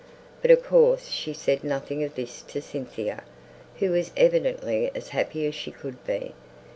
But of course she said nothing of this to Cynthia, who was evidently as happy as she could be.